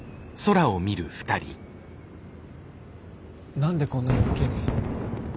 何でこんな夜更けに。